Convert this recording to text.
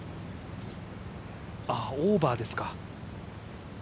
オーバーですか。